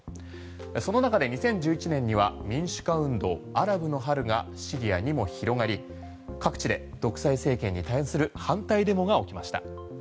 その中で２０１１年には民主化運動アラブの春がシリアにも広がり各地で独裁政権に対する反対デモが起きました。